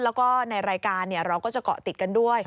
แล้วก็ในรายการเราก็จะเกาะติดกันด้วย